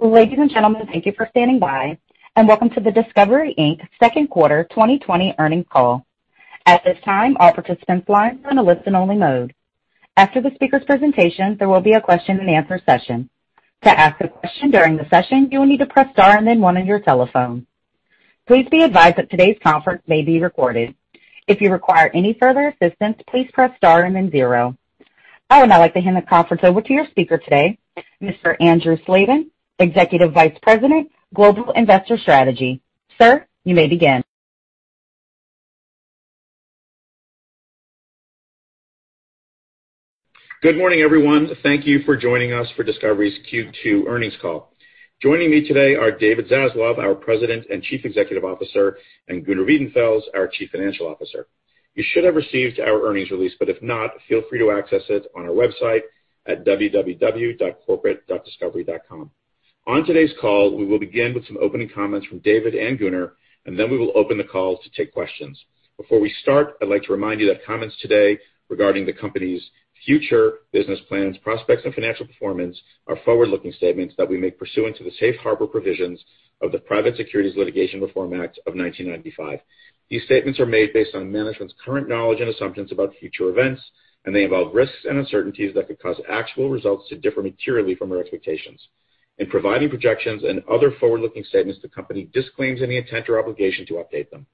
Ladies and gentlemen, thank you for standing by, and welcome to the Discovery, Inc. Second Quarter 2020 Earnings Call. At this time, all participants' lines are in a listen only mode. After the speaker's presentation, there will be a question and answer session. To ask a question during the session, you will need to press star and then one on your telephone. Please be advised that today's conference may be recorded. If you require any further assistance, please press star and then zero. I would now like to hand the conference over to your speaker today, Mr. Andrew Slabin, Executive Vice President, Global Investor Strategy. Sir, you may begin. Good morning, everyone. Thank you for joining us for Discovery's Q2 earnings call. Joining me today are David Zaslav, our President and Chief Executive Officer, and Gunnar Wiedenfels, our Chief Financial Officer. You should have received our earnings release, but if not, feel free to access it on our website at www.corporate.discovery.com. On today's call, we will begin with some opening comments from David and Gunnar, and then we will open the call to take questions. Before we start, I'd like to remind you that comments today regarding the company's future business plans, prospects, and financial performance are forward-looking statements that we make pursuant to the safe harbor provisions of the Private Securities Litigation Reform Act of 1995. These statements are made based on management's current knowledge and assumptions about future events, and they involve risks and uncertainties that could cause actual results to differ materially from our expectations. In providing projections and other forward-looking statements, the company disclaims any intent or obligation to update them.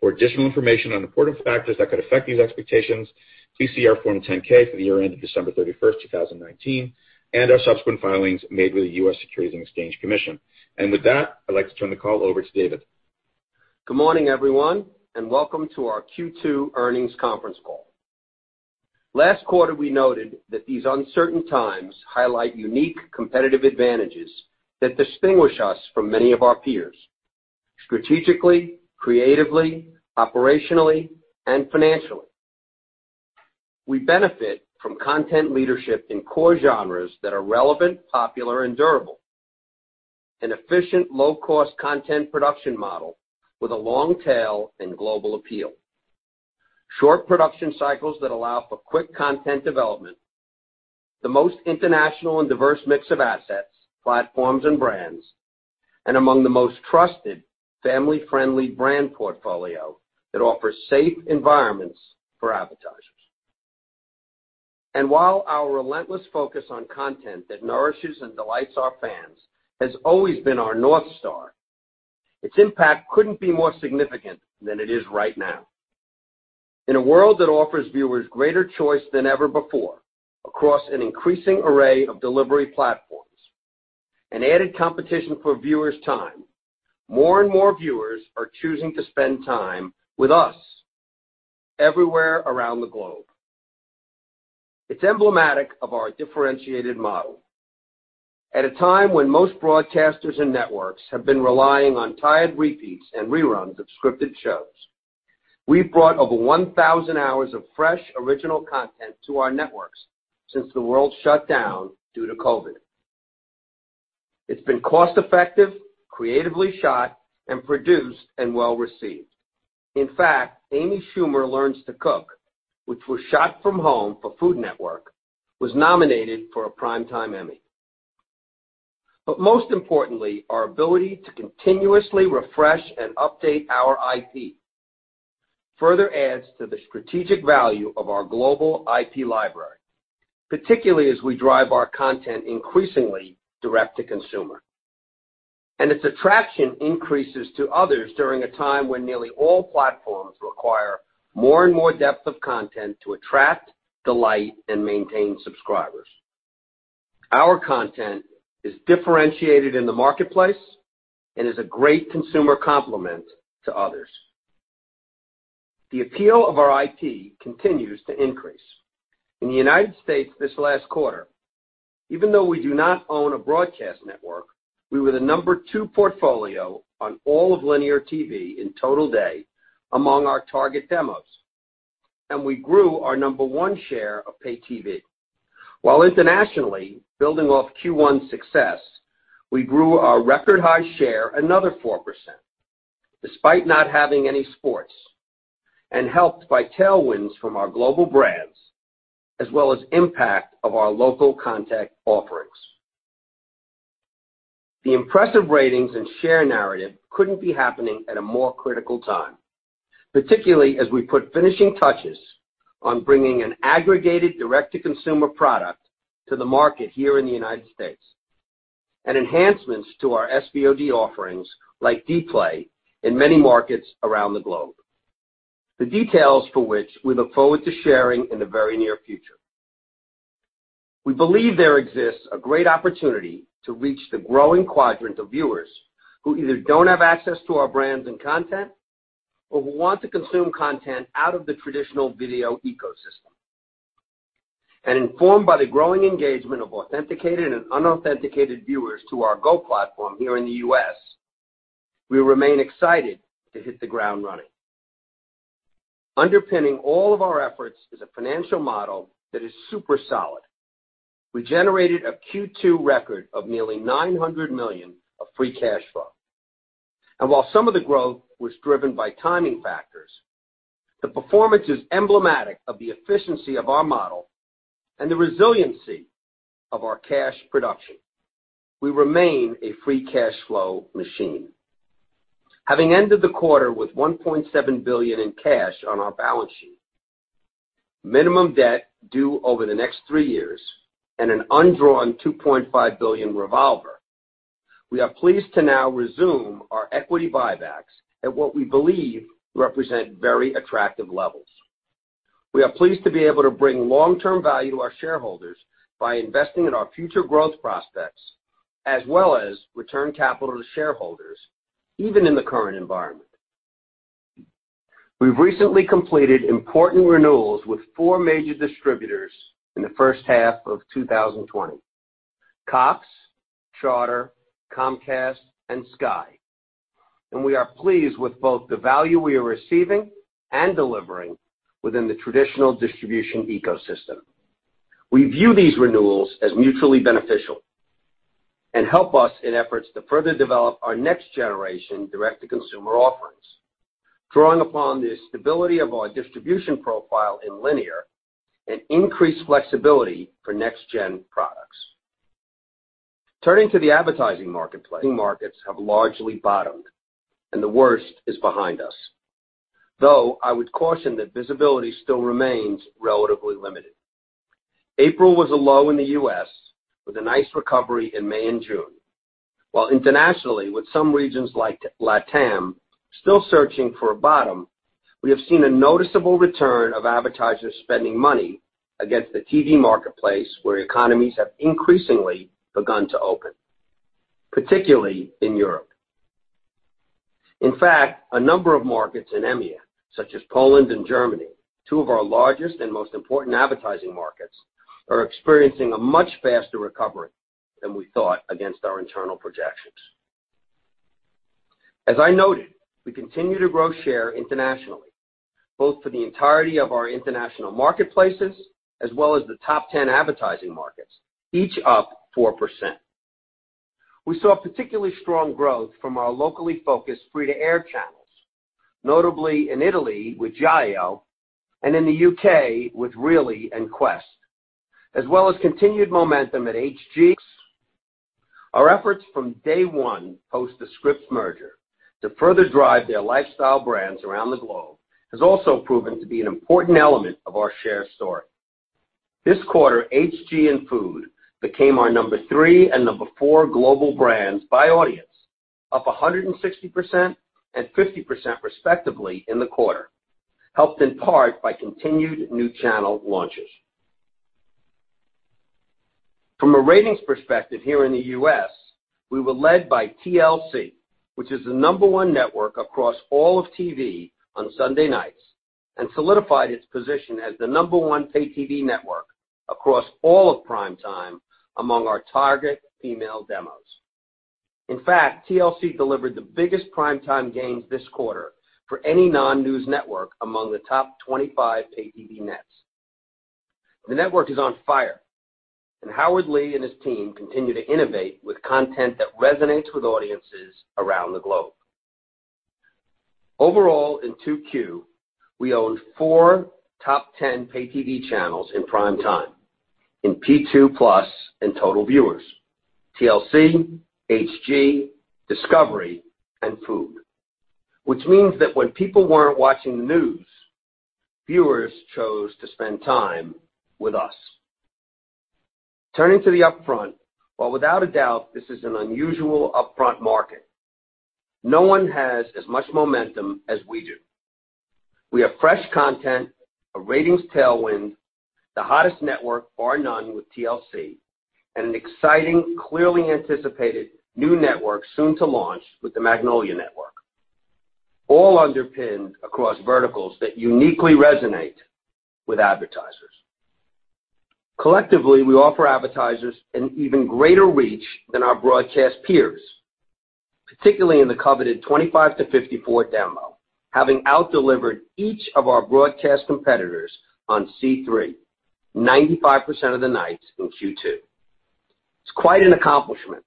For additional information on important factors that could affect these expectations, please see our Form 10-K for the year ended December 31st, 2019, and our subsequent filings made with the U.S. Securities and Exchange Commission. With that, I'd like to turn the call over to David. Good morning, everyone, and welcome to our Q2 earnings conference call. Last quarter, we noted that these uncertain times highlight unique competitive advantages that distinguish us from many of our peers, strategically, creatively, operationally, and financially. We benefit from content leadership in core genres that are relevant, popular and durable. An efficient, low-cost content production model with a long tail and global appeal. Short production cycles that allow for quick content development. The most international and diverse mix of assets, platforms and brands. Among the most trusted family-friendly brand portfolio that offers safe environments for advertisers. While our relentless focus on content that nourishes and delights our fans has always been our North Star, its impact couldn't be more significant than it is right now. In a world that offers viewers greater choice than ever before across an increasing array of delivery platforms and added competition for viewers' time, more and more viewers are choosing to spend time with us everywhere around the globe. It's emblematic of our differentiated model. At a time when most broadcasters and networks have been relying on tired repeats and reruns of scripted shows, we've brought over 1,000 hours of fresh, original content to our networks since the world shut down due to COVID. It's been cost effective, creatively shot and produced, and well received. In fact, "Amy Schumer Learns to Cook," which was shot from home for Food Network, was nominated for a Primetime Emmy. Most importantly, our ability to continuously refresh and update our IP further adds to the strategic value of our global IP library, particularly as we drive our content increasingly direct to consumer. Its attraction increases to others during a time when nearly all platforms require more and more depth of content to attract, delight, and maintain subscribers. Our content is differentiated in the marketplace and is a great consumer complement to others. The appeal of our IP continues to increase. In the U.S. this last quarter, even though we do not own a broadcast network, we were the number two portfolio on all of linear TV in total day among our target demos, and we grew our number one share of pay TV. Internationally, building off Q1's success, we grew our record high share another 4%, despite not having any sports, and helped by tailwinds from our global brands, as well as impact of our local content offerings. The impressive ratings and share narrative couldn't be happening at a more critical time, particularly as we put finishing touches on bringing an aggregated direct-to-consumer product to the market here in the United States, and enhancements to our SVOD offerings like dplay in many markets around the globe. The details for which we look forward to sharing in the very near future. We believe there exists a great opportunity to reach the growing quadrant of viewers who either don't have access to our brands and content or who want to consume content out of the traditional video ecosystem. Informed by the growing engagement of authenticated and unauthenticated viewers to our GO platform here in the U.S., we remain excited to hit the ground running. Underpinning all of our efforts is a financial model that is super solid. We generated a Q2 record of nearly $900 million of free cash flow. While some of the growth was driven by timing factors, the performance is emblematic of the efficiency of our model and the resiliency of our cash production. We remain a free cash flow machine. Having ended the quarter with $1.7 billion in cash on our balance sheet, minimum debt due over the next three years, and an undrawn $2.5 billion revolver, we are pleased to now resume our equity buybacks at what we believe represent very attractive levels. We are pleased to be able to bring long-term value to our shareholders by investing in our future growth prospects as well as return capital to shareholders, even in the current environment. We've recently completed important renewals with four major distributors in the first half of 2020, Cox, Charter, Comcast, and Sky. We are pleased with both the value we are receiving and delivering within the traditional distribution ecosystem. We view these renewals as mutually beneficial and help us in efforts to further develop our next generation direct-to-consumer offerings, drawing upon the stability of our distribution profile in linear and increased flexibility for next gen products. Turning to the advertising marketplace, markets have largely bottomed and the worst is behind us. I would caution that visibility still remains relatively limited. April was a low in the U.S. with a nice recovery in May and June. Internationally, with some regions like LATAM still searching for a bottom, we have seen a noticeable return of advertisers spending money against the TV marketplace where economies have increasingly begun to open, particularly in Europe. In fact, a number of markets in EMEA, such as Poland and Germany, two of our largest and most important advertising markets, are experiencing a much faster recovery than we thought against our internal projections. As I noted, we continue to grow share internationally, both for the entirety of our international marketplaces as well as the top 10 advertising markets, each up 4%. We saw particularly strong growth from our locally focused free-to-air channels. Notably in Italy with Giallo and in the U.K. with Really and Quest, as well as continued momentum at HG. Our efforts from day one post the Scripps merger to further drive their lifestyle brands around the globe has also proven to be an important element of our share story. This quarter, HGTV and Food Network became our number three and number four global brands by audience, up 160% and 50% respectively in the quarter, helped in part by continued new channel launches. From a ratings perspective here in the U.S., we were led by TLC, which is the number one network across all of TV on Sunday nights and solidified its position as the number one pay TV network across all of prime time among our target female demos. In fact, TLC delivered the biggest prime time gains this quarter for any non-news network among the top 25 pay TV nets. The network is on fire and Howard Lee and his team continue to innovate with content that resonates with audiences around the globe. Overall, in 2Q, we owned four top 10 pay TV channels in prime time in P2+ and total viewers, TLC, HG, Discovery, and Food Network, which means that when people weren't watching the news, viewers chose to spend time with us. Turning to the upfront. While without a doubt this is an unusual upfront market, no one has as much momentum as we do. We have fresh content, a ratings tailwind, the hottest network bar none with TLC, and an exciting, clearly anticipated new network soon to launch with the Magnolia Network. All underpinned across verticals that uniquely resonate with advertisers. Collectively, we offer advertisers an even greater reach than our broadcast peers, particularly in the coveted 25-54 demo, having out delivered each of our broadcast competitors on C3 95% of the nights in Q2. It's quite an accomplishment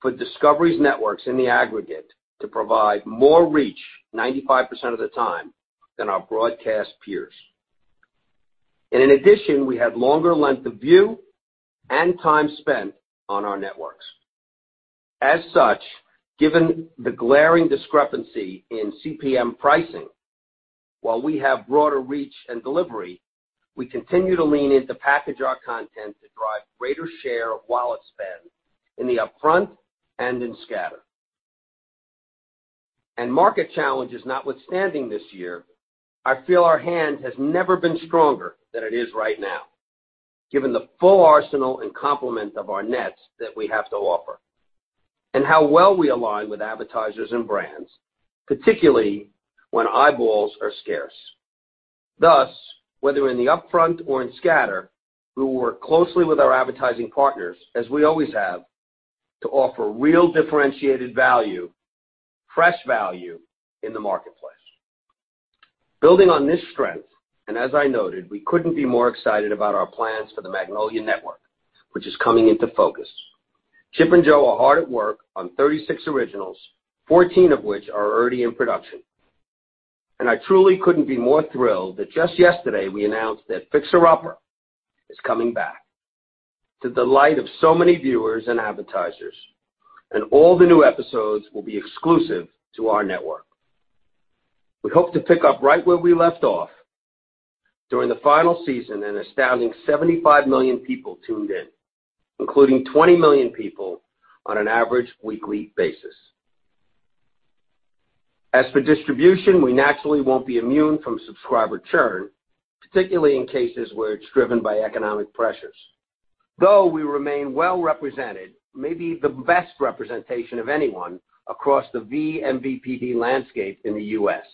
for Discovery's networks in the aggregate to provide more reach 95% of the time than our broadcast peers. In addition, we had longer length of view and time spent on our networks. As such, given the glaring discrepancy in CPM pricing, while we have broader reach and delivery, we continue to lean in to package our content to drive greater share of wallet spend in the upfront and in scatter. Market challenges notwithstanding this year, I feel our hand has never been stronger than it is right now, given the full arsenal and complement of our nets that we have to offer and how well we align with advertisers and brands, particularly when eyeballs are scarce. Thus, whether in the upfront or in scatter, we will work closely with our advertising partners as we always have to offer real differentiated value, fresh value in the marketplace. Building on this strength, as I noted, we couldn't be more excited about our plans for the Magnolia Network, which is coming into focus. Chip and Jo are hard at work on 36 originals, 14 of which are already in production. I truly couldn't be more thrilled that just yesterday we announced that "Fixer Upper" is coming back to the delight of so many viewers and advertisers. All the new episodes will be exclusive to our network. We hope to pick up right where we left off. During the final season, an astounding 75 million people tuned in, including 20 million people on an average weekly basis. As for distribution, we naturally won't be immune from subscriber churn, particularly in cases where it's driven by economic pressures. Though we remain well-represented, maybe the best representation of anyone across the vMVPD landscape in the U.S.,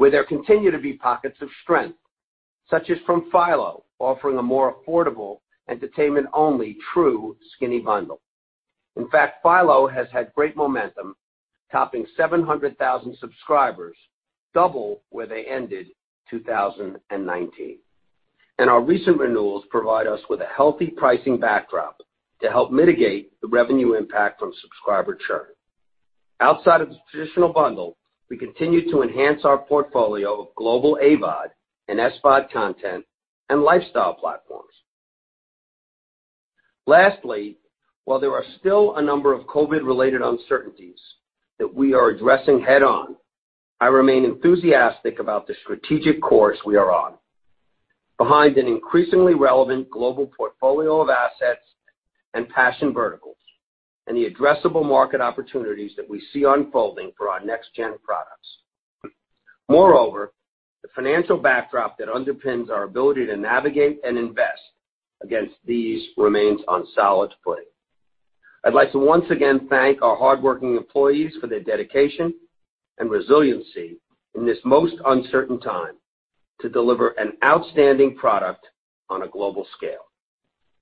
where there continue to be pockets of strength, such as from Philo, offering a more affordable entertainment-only true skinny bundle. In fact, Philo has had great momentum, topping 700,000 subscribers, double where they ended 2019. Our recent renewals provide us with a healthy pricing backdrop to help mitigate the revenue impact from subscriber churn. Outside of the traditional bundle, we continue to enhance our portfolio of global AVOD and SVOD content and lifestyle platforms. Lastly, while there are still a number of COVID-related uncertainties that we are addressing head-on, I remain enthusiastic about the strategic course we are on. Behind an increasingly relevant global portfolio of assets and passion verticals, and the addressable market opportunities that we see unfolding for our next-gen products. The financial backdrop that underpins our ability to navigate and invest against these remains on solid footing. I'd like to once again thank our hardworking employees for their dedication and resiliency in this most uncertain time to deliver an outstanding product on a global scale.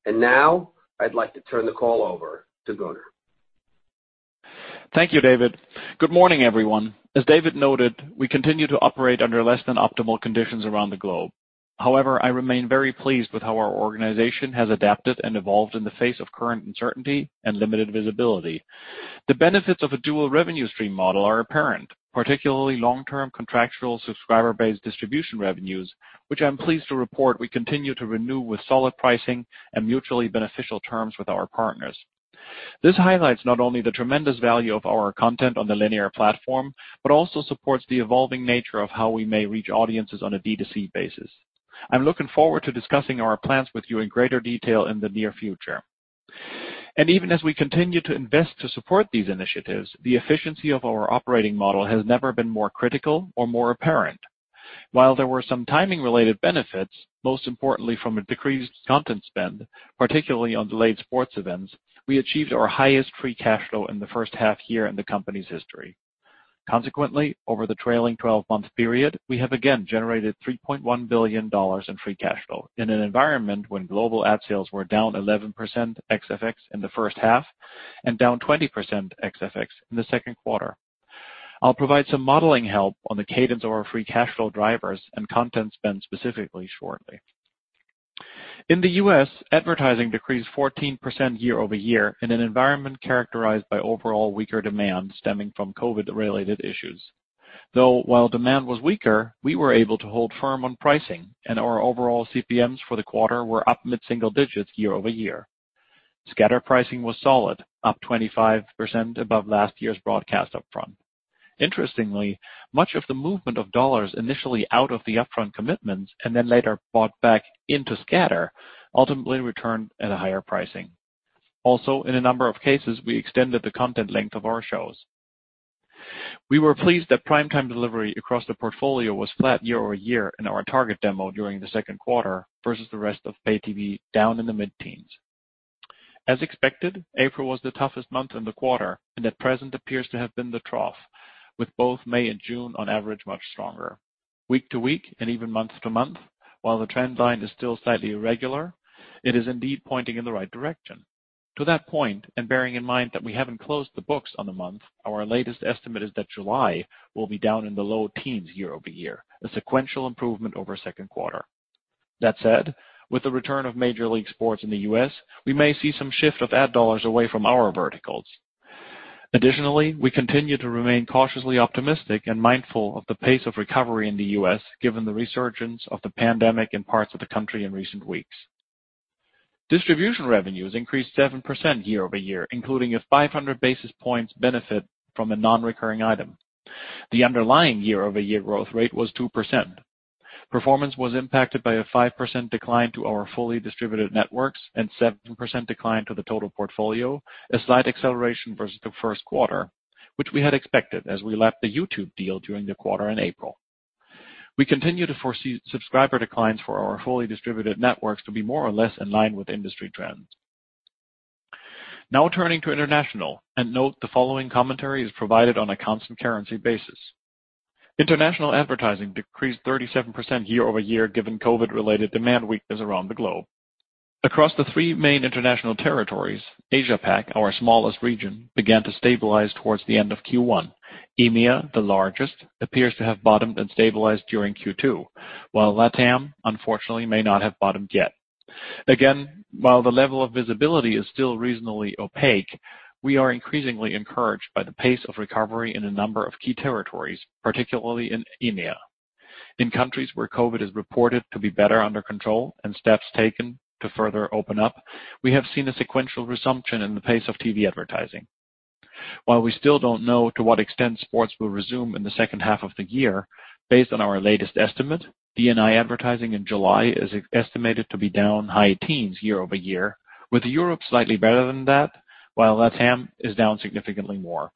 Now I'd like to turn the call over to Gunnar. Thank you, David. Good morning, everyone. As David noted, we continue to operate under less than optimal conditions around the globe. However, I remain very pleased with how our organization has adapted and evolved in the face of current uncertainty and limited visibility. The benefits of a dual revenue stream model are apparent, particularly long-term contractual subscriber-based distribution revenues, which I'm pleased to report we continue to renew with solid pricing and mutually beneficial terms with our partners. This highlights not only the tremendous value of our content on the linear platform, but also supports the evolving nature of how we may reach audiences on a D2C basis. I'm looking forward to discussing our plans with you in greater detail in the near future. Even as we continue to invest to support these initiatives, the efficiency of our operating model has never been more critical or more apparent. While there were some timing-related benefits, most importantly from a decreased content spend, particularly on delayed sports events, we achieved our highest free cash flow in the first half year in the company's history. Consequently, over the trailing 12-month period, we have again generated $3.1 billion in free cash flow in an environment when global ad sales were down 11% ex FX in the first half and down 20% ex FX in the second quarter. I'll provide some modeling help on the cadence of our free cash flow drivers and content spend specifically shortly. In the U.S., advertising decreased 14% year-over-year in an environment characterized by overall weaker demand stemming from COVID-related issues. Though, while demand was weaker, we were able to hold firm on pricing, and our overall CPMs for the quarter were up mid-single digits year-over-year. Scatter pricing was solid, up 25% above last year's broadcast upfront. Interestingly, much of the movement of dollars initially out of the upfront commitments and then later bought back into scatter ultimately returned at a higher pricing. In a number of cases, we extended the content length of our shows. We were pleased that Primetime delivery across the portfolio was flat year-over-year in our target demo during the second quarter versus the rest of pay TV down in the mid-teens. As expected, April was the toughest month in the quarter and at present appears to have been the trough, with both May and June on average much stronger. Week-to-week and even month-to-month, while the trend line is still slightly irregular, it is indeed pointing in the right direction. To that point, bearing in mind that we haven't closed the books on the month, our latest estimate is that July will be down in the low teens year-over-year, a sequential improvement over second quarter. That said, with the return of Major League sports in the U.S., we may see some shift of ad dollars away from our verticals. We continue to remain cautiously optimistic and mindful of the pace of recovery in the U.S., given the resurgence of the pandemic in parts of the country in recent weeks. Distribution revenues increased 7% year-over-year, including a 500 basis points benefit from a non-recurring item. The underlying year-over-year growth rate was 2%. Performance was impacted by a 5% decline to our fully distributed networks and 7% decline to the total portfolio, a slight acceleration versus the first quarter, which we had expected as we lapped the YouTube deal during the quarter in April. We continue to foresee subscriber declines for our fully distributed networks to be more or less in line with industry trends. Turning to international, note the following commentary is provided on a constant currency basis. International advertising decreased 37% year-over-year given COVID-related demand weakness around the globe. Across the three main international territories, Asia Pac, our smallest region, began to stabilize towards the end of Q1. EMEA, the largest, appears to have bottomed and stabilized during Q2, while LATAM, unfortunately may not have bottomed yet. While the level of visibility is still reasonably opaque, we are increasingly encouraged by the pace of recovery in a number of key territories, particularly in EMEA. In countries where COVID is reported to be better under control and steps taken to further open up, we have seen a sequential resumption in the pace of TV advertising. While we still don't know to what extent sports will resume in the second half of the year, based on our latest estimate, DNI advertising in July is estimated to be down high teens year-over-year, with Europe slightly better than that, while LATAM is down significantly more.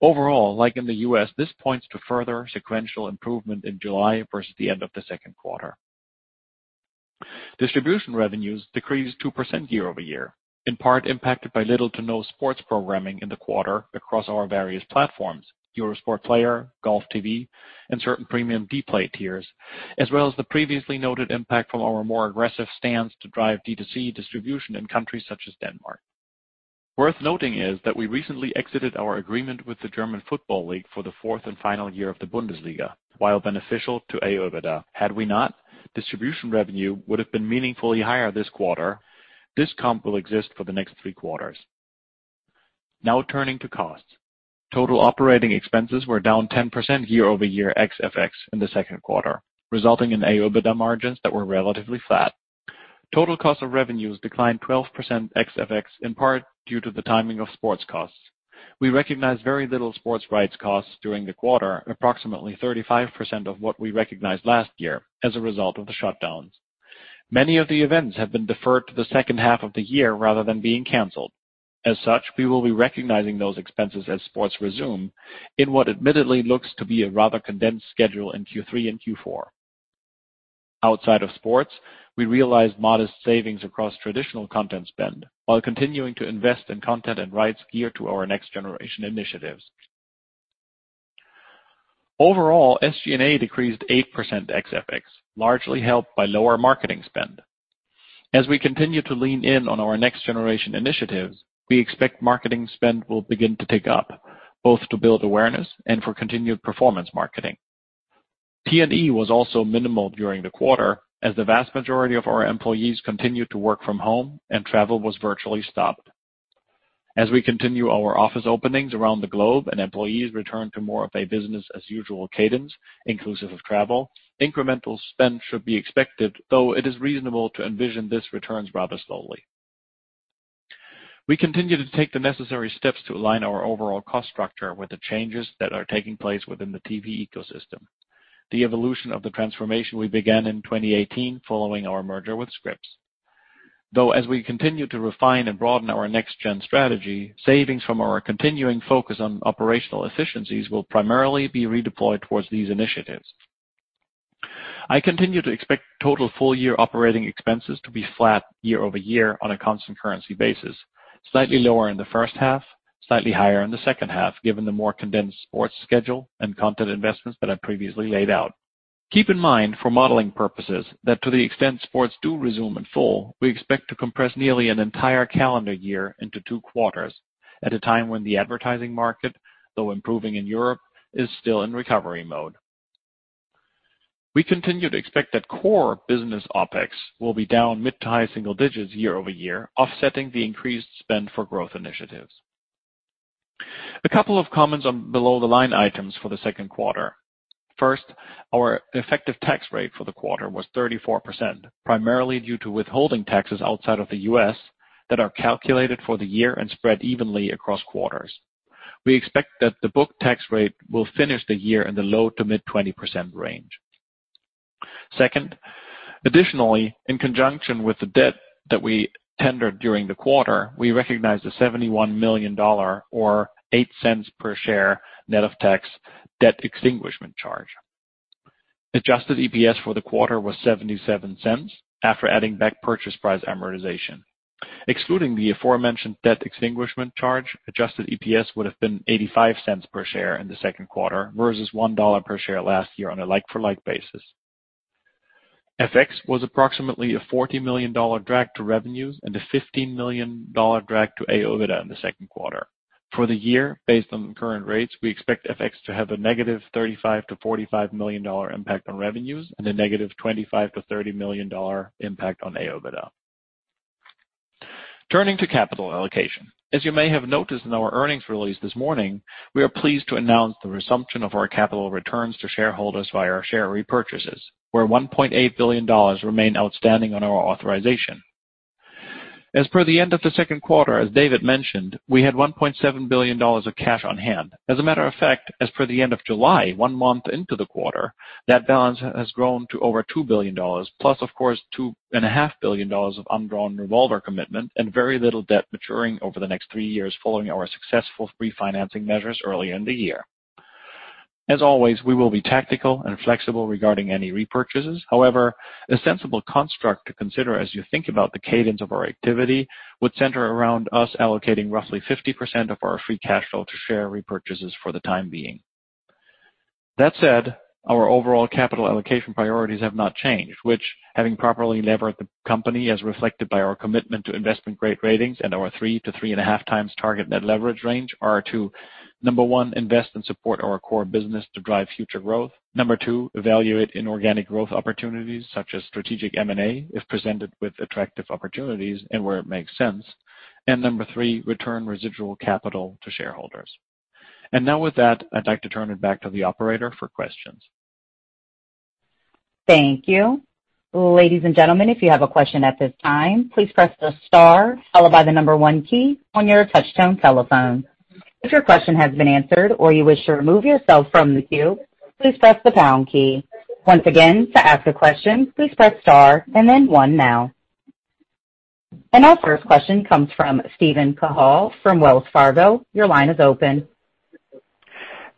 Like in the U.S., this points to further sequential improvement in July versus the end of the second quarter. Distribution revenues decreased 2% year-over-year, in part impacted by little to no sports programming in the quarter across our various platforms, Eurosport Player, GOLFTV, and certain premium dplay tiers, as well as the previously noted impact from our more aggressive stance to drive D2C distribution in countries such as Denmark. Worth noting is that we recently exited our agreement with the German Football League for the fourth and final year of the Bundesliga. While beneficial to AOIBDA, had we not, distribution revenue would have been meaningfully higher this quarter. This comp will exist for the next three quarters. Now turning to costs. Total operating expenses were down 10% year-over-year ex FX in the second quarter, resulting in AOIBDA margins that were relatively flat. Total cost of revenues declined 12% ex FX, in part due to the timing of sports costs. We recognized very little sports rights costs during the quarter, approximately 35% of what we recognized last year as a result of the shutdowns. Many of the events have been deferred to the second half of the year rather than being canceled. We will be recognizing those expenses as sports resume in what admittedly looks to be a rather condensed schedule in Q3 and Q4. Outside of sports, we realized modest savings across traditional content spend while continuing to invest in content and rights geared to our next generation initiatives. Overall, SG&A decreased 8% ex FX, largely helped by lower marketing spend. We continue to lean in on our next generation initiatives, we expect marketing spend will begin to pick up, both to build awareness and for continued performance marketing. T&E was also minimal during the quarter as the vast majority of our employees continued to work from home and travel was virtually stopped. As we continue our office openings around the globe and employees return to more of a business as usual cadence, inclusive of travel, incremental spend should be expected, though it is reasonable to envision this returns rather slowly. We continue to take the necessary steps to align our overall cost structure with the changes that are taking place within the TV ecosystem, the evolution of the transformation we began in 2018 following our merger with Scripps. Though, as we continue to refine and broaden our next gen strategy, savings from our continuing focus on operational efficiencies will primarily be redeployed towards these initiatives. I continue to expect total full year operating expenses to be flat year-over-year on a constant currency basis, slightly lower in the first half, slightly higher in the second half, given the more condensed sports schedule and content investments that I previously laid out. Keep in mind, for modeling purposes, that to the extent sports do resume in full, we expect to compress nearly an entire calendar year into two quarters at a time when the advertising market, though improving in Europe, is still in recovery mode. We continue to expect that core business OpEx will be down mid to high single digits year-over-year, offsetting the increased spend for growth initiatives. A couple of comments on below-the-line items for the second quarter. First, our effective tax rate for the quarter was 34%, primarily due to withholding taxes outside of the U.S. that are calculated for the year and spread evenly across quarters. We expect that the book tax rate will finish the year in the low to mid 20% range. Second, in conjunction with the debt that we tendered during the quarter, we recognized a $71 million, or $0.08 per share net of tax, debt extinguishment charge. Adjusted EPS for the quarter was $0.77 after adding back purchase price amortization. Excluding the aforementioned debt extinguishment charge, adjusted EPS would have been $0.85 per share in the second quarter versus $1 per share last year on a like-for-like basis. FX was approximately a $40 million drag to revenues and a $15 million drag to AOIBDA in the second quarter. For the year, based on current rates, we expect FX to have a negative $35 million-$45 million impact on revenues and a negative $25 million-$30 million impact on AOIBDA. Turning to capital allocation. As you may have noticed in our earnings release this morning, we are pleased to announce the resumption of our capital returns to shareholders via our share repurchases, where $1.8 billion remain outstanding on our authorization. As per the end of the second quarter, as David mentioned, we had $1.7 billion of cash on hand. As a matter of fact, as per the end of July, one month into the quarter, that balance has grown to over $2 billion, plus, of course, $2.5 billion of undrawn revolver commitment and very little debt maturing over the next three years following our successful refinancing measures earlier in the year. As always, we will be tactical and flexible regarding any repurchases. A sensible construct to consider as you think about the cadence of our activity would center around us allocating roughly 50% of our free cash flow to share repurchases for the time being. That said, our overall capital allocation priorities have not changed, which, having properly levered the company as reflected by our commitment to investment-grade ratings and our 3 to 3.5 times target net leverage range, are to, number one, invest and support our core business to drive future growth. Number two, evaluate inorganic growth opportunities such as strategic M&A if presented with attractive opportunities and where it makes sense. Number three, return residual capital to shareholders. Now with that, I'd like to turn it back to the operator for questions. Thank you. Ladies and gentlemen, if you have a question at this time, please press the star followed by the number one key on your touch-tone telephone. If your question has been answered or you wish to remove yourself from the queue, please press the pound key. Once again, to ask a question, please press star and then one now. Our first question comes from Steven Cahall from Wells Fargo. Your line is open.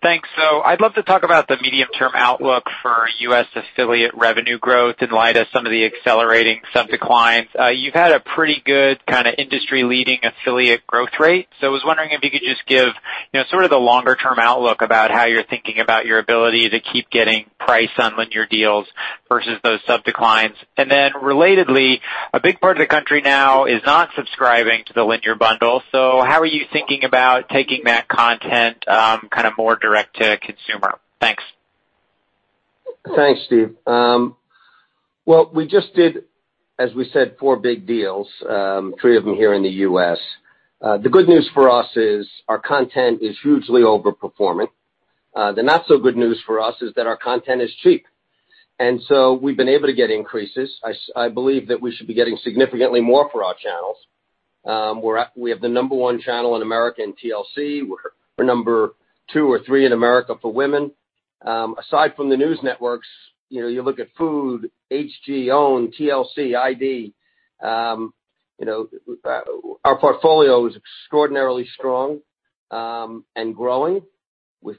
Thanks. I'd love to talk about the medium-term outlook for U.S. affiliate revenue growth in light of some of the accelerating sub declines. You've had a pretty good kind of industry-leading affiliate growth rate. I was wondering if you could just give sort of the longer-term outlook about how you're thinking about your ability to keep getting price on linear deals versus those sub declines. Relatedly, a big part of the country now is not subscribing to the linear bundle. How are you thinking about taking that content, kind of more direct to consumer? Thanks. Thanks, Steve. Well, we just did, as we said, four big deals, three of them here in the U.S. The good news for us is our content is hugely overperforming. The not so good news for us is that our content is cheap, and so we've been able to get increases. I believe that we should be getting significantly more for our channels. We have the number one channel in America in TLC. We're number two or three in America for women. Aside from the news networks, you look at Food, HG, OWN, TLC, ID. Our portfolio is extraordinarily strong, and growing with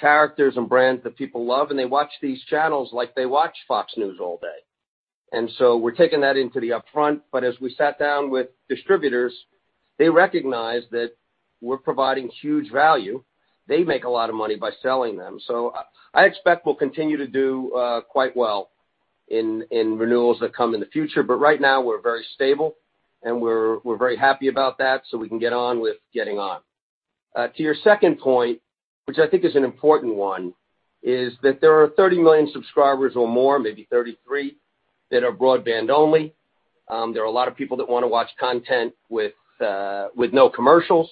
characters and brands that people love, and they watch these channels like they watch Fox News all day. We're taking that into the upfront. As we sat down with distributors, they recognize that we're providing huge value. They make a lot of money by selling them. I expect we'll continue to do quite well in renewals that come in the future. Right now we're very stable and we're very happy about that. We can get on with getting on. To your second point, which I think is an important one, is that there are 30 million subscribers or more, maybe 33, that are broadband only. There are a lot of people that want to watch content with no commercials.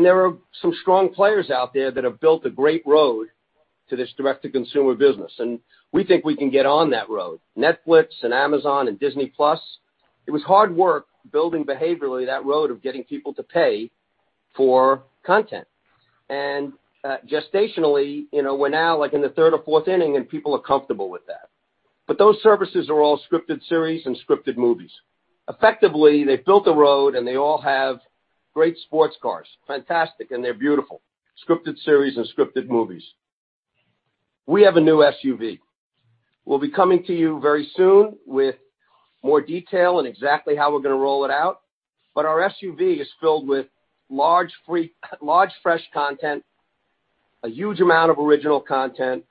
There are some strong players out there that have built a great road to this direct-to-consumer business, and we think we can get on that road. Netflix and Amazon and Disney+, it was hard work building behaviorally that road of getting people to pay for content. Gestationally, we're now like in the third or fourth inning and people are comfortable with that. Those services are all scripted series and scripted movies. Effectively, they built a road and they all have great sports cars, fantastic, and they're beautiful. Scripted series and scripted movies. We have a new SUV. We'll be coming to you very soon with more detail on exactly how we're going to roll it out. Our SUV is filled with large, fresh content, a huge amount of original content,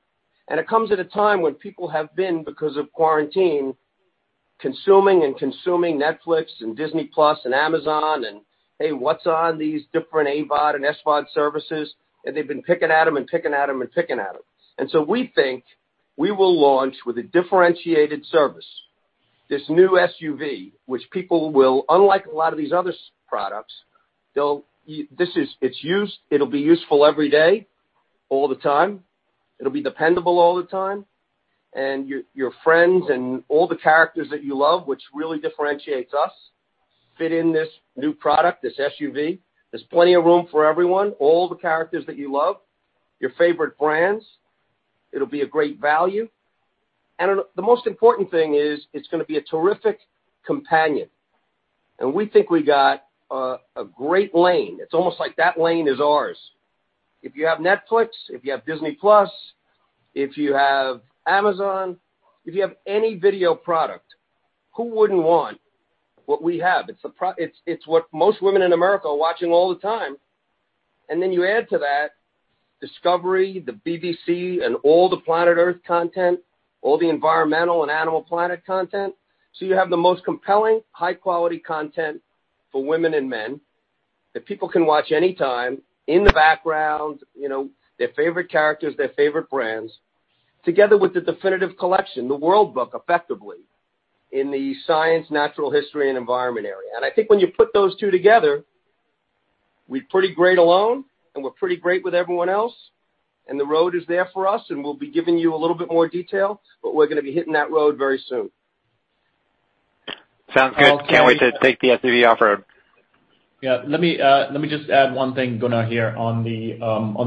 and it comes at a time when people have been, because of quarantine, consuming and consuming Netflix and Disney+ and Amazon and, hey, what's on these different AVOD and SVOD services? They've been picking at them and picking at them. We think we will launch with a differentiated service, this new SUV, which people will, unlike a lot of these other products, it'll be useful every day, all the time. It'll be dependable all the time. Your friends and all the characters that you love, which really differentiates us, fit in this new product, this SUV. There's plenty of room for everyone, all the characters that you love, your favorite brands. It'll be a great value. The most important thing is it's going to be a terrific companion. We think we got a great lane. It's almost like that lane is ours. If you have Netflix, if you have Disney+, if you have Amazon, if you have any video product, who wouldn't want what we have? It's what most women in America are watching all the time. You add to that Discovery, the BBC, and all the Planet Earth content, all the environmental and Animal Planet content. You have the most compelling, high-quality content for women and men that people can watch anytime in the background, their favorite characters, their favorite brands, together with the definitive collection, the World Book, effectively, in the science, natural history, and environment area. I think when you put those two together, we're pretty great alone, and we're pretty great with everyone else, and the road is there for us, and we'll be giving you a little bit more detail, but we're going to be hitting that road very soon. Sounds good. Can't wait to take the SUV off-road. Yeah, let me just add one thing, Gunnar here, on the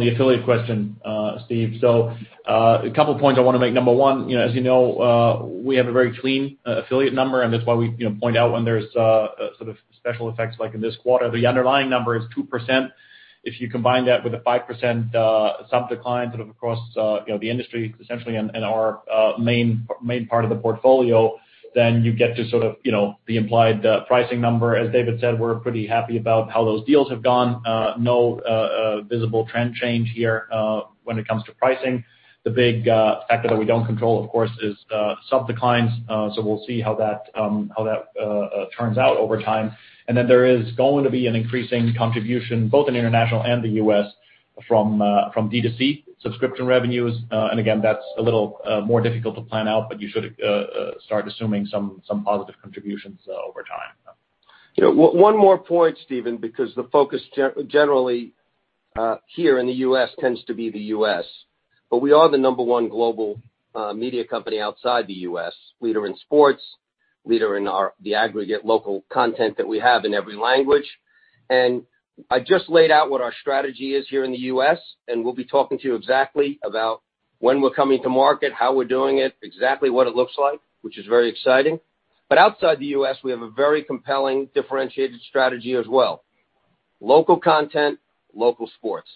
affiliate question. Steve, a couple points I want to make. Number one, as you know, we have a very clean affiliate number, and that's why we point out when there's sort of special effects like in this quarter. The underlying number is 2%. If you combine that with a 5% sub decline sort of across the industry, essentially in our main part of the portfolio, then you get to sort of the implied pricing number. As David said, we're pretty happy about how those deals have gone. No visible trend change here when it comes to pricing. The big factor that we don't control, of course, is sub declines. We'll see how that turns out over time. There is going to be an increasing contribution both in international and the U.S. from D2C subscription revenues. Again, that's a little more difficult to plan out, but you should start assuming some positive contributions over time. One more point, Steven, because the focus generally here in the U.S. tends to be the U.S., we are the number one global media company outside the U.S. Leader in sports, leader in the aggregate local content that we have in every language. I just laid out what our strategy is here in the U.S., we'll be talking to you exactly about when we're coming to market, how we're doing it, exactly what it looks like, which is very exciting. Outside the U.S., we have a very compelling differentiated strategy as well. Local content, local sports.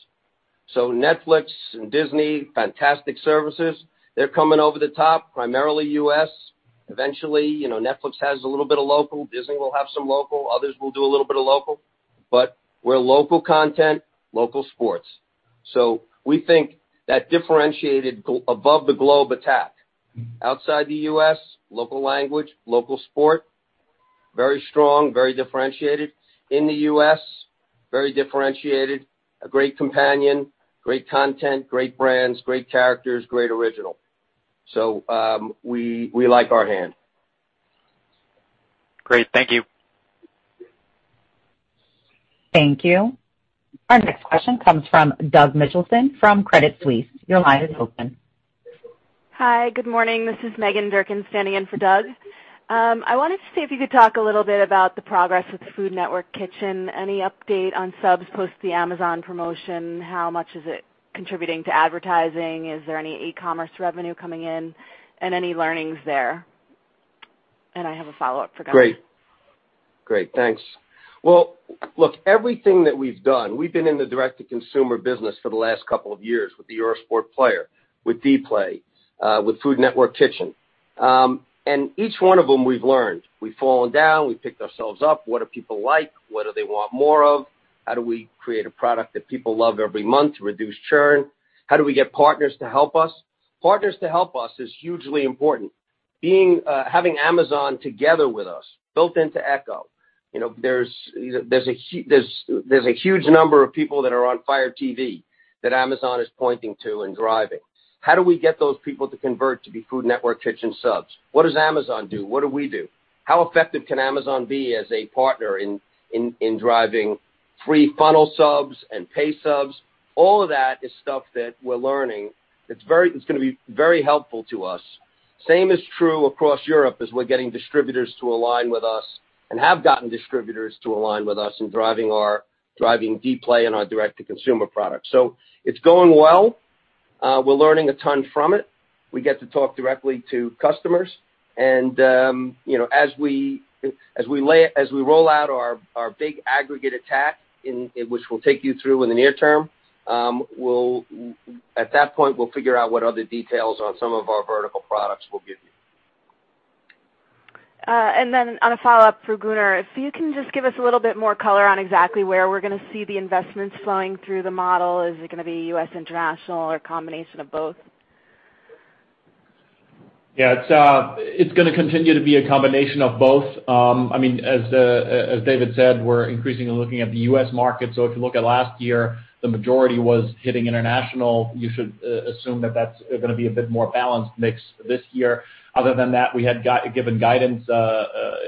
Netflix and Disney, fantastic services. They're coming over the top, primarily U.S. Eventually, Netflix has a little bit of local. Disney will have some local. Others will do a little bit of local. We're local content, local sports. We think that differentiated above the globe attack. Outside the U.S., local language, local sport, very strong, very differentiated. In the U.S., very differentiated, a great companion, great content, great brands, great characters, great original. We like our hand. Great. Thank you. Thank you. Our next question comes from Doug Mitchelson from Credit Suisse. Your line is open. Hi, good morning. This is Meghan Durkin standing in for Doug. I wanted to see if you could talk a little bit about the progress with Food Network Kitchen. Any update on subs post the Amazon promotion? How much is it contributing to advertising? Is there any e-commerce revenue coming in and any learnings there? I have a follow-up for Gunnar. Great. Thanks. Look, everything that we've done, we've been in the direct-to-consumer business for the last couple of years with the Eurosport Player, with dplay, with Food Network Kitchen. Each one of them we've learned. We've fallen down. We've picked ourselves up. What do people like? What do they want more of? How do we create a product that people love every month to reduce churn? How do we get partners to help us? Partners to help us is hugely important. Having Amazon together with us, built into Echo. There's a huge number of people that are on Fire TV that Amazon is pointing to and driving. How do we get those people to convert to be Food Network Kitchen subs? What does Amazon do? What do we do? How effective can Amazon be as a partner in driving free funnel subs and pay subs? All of that is stuff that we're learning. It's going to be very helpful to us. Same is true across Europe as we're getting distributors to align with us and have gotten distributors to align with us in driving dplay and our direct-to-consumer product. It's going well. We're learning a ton from it. We get to talk directly to customers. As we roll out our big aggregate attack, which we'll take you through in the near term, at that point, we'll figure out what other details on some of our vertical products we'll give you. Then on a follow-up for Gunnar, if you can just give us a little bit more color on exactly where we're going to see the investments flowing through the model. Is it going to be U.S., international, or a combination of both? Yeah. It's going to continue to be a combination of both. As David said, we're increasingly looking at the U.S. market. If you look at last year, the majority was hitting international. You should assume that that's going to be a bit more balanced mix this year. Other than that, we had given guidance